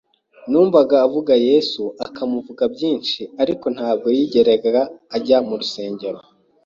Numvaga avuga Yesu, akamuvuga byinshi ariko ntabwo yigeraga ajya mu rusengero.